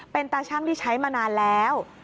เป็นตาชั่งที่ใช้มานานแล้ว